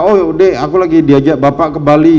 oh yaudah aku lagi diajak bapak ke bali